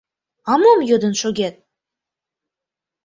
— А мом йодын шогет!